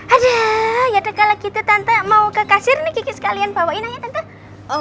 aduh ya dekala gitu tante mau ke kasir nih kiki sekalian bawain aja tante